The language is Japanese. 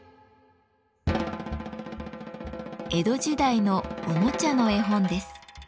江戸時代のおもちゃの絵本です。